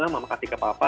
mama kasih ke papa